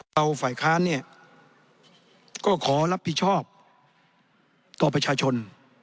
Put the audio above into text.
ฝ่ายค้านเนี่ยก็ขอรับผิดชอบต่อประชาชน